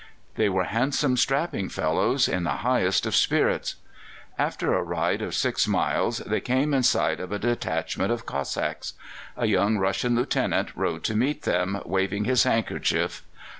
They were handsome, strapping fellows, in the highest of spirits. After a ride of six miles they came in sight of a detachment of Cossacks. A young Russian Lieutenant rode to meet them, waving his handkerchief.